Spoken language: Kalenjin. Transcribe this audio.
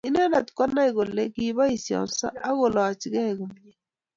Inendet konai kole kobiyongso akolachkei komie